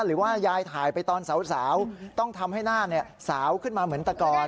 หรือว่ายายถ่ายไปตอนสาวต้องทำให้หน้าสาวขึ้นมาเหมือนตะกอน